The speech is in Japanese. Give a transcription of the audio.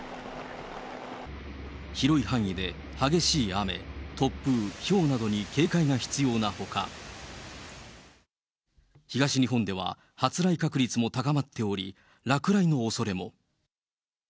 広い範囲で激しい雨、突風、ひょうなどに警戒が必要なほか、東日本では発雷確率も高まっており、落雷のおそれも。